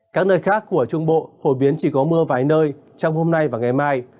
các nơi khác của trung bộ phổ biến chỉ có mưa vài nơi trong hôm nay và ngày mai